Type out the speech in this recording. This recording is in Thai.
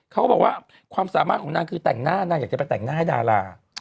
เขาก็บอกว่าความสามารถของนางคือแต่งหน้านางอยากจะไปแต่งหน้าให้ดารา